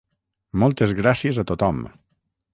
Moltes gràcies a tothom!